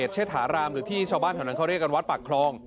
เชษฐารามหรือที่ชาวบ้านแถวนั้นเขาเรียกกันวัดปากคลอง